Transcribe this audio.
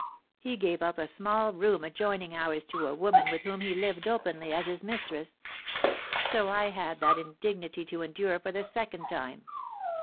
He gave up a small room adjoining ours to a woman with whom he lived openly as his mistress; so I had that indignity to endure for the second time.